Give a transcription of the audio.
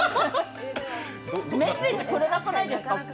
メッセージくれなくないですか普通。